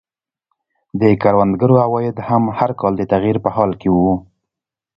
د کروندګرو عواید هم هر کال د تغییر په حال کې وو.